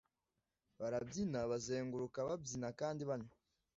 Barabyina bazenguruka babyina kandi banywa